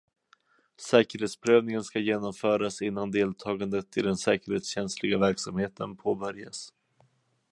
Säkerhetsprövningen ska genomföras innan deltagandet i den säkerhetskänsliga verksamheten påbörjas.